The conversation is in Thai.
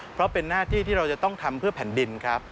เพราะเป็นหน้าที่ที่เราจะต้องทำเพื่อแผ่นดินครับ